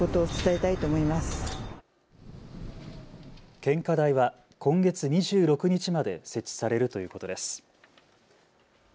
献花台は今月２６日まで設置されるということです。